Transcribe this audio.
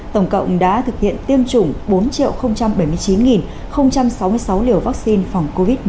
tổng cộng đã thực hiện tiêm chủng bốn bảy mươi chín sáu mươi sáu liều vaccine phòng covid một mươi chín